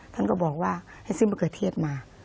ท่านก็บอกว่าให้ซื้อมะเกอร์เทียดมา